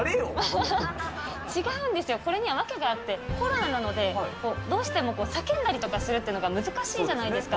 違うんですよ、これには訳があって、コロナなので、どうしても叫んだりするとかっていうのが難しいじゃないですか。